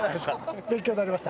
勉強になりました。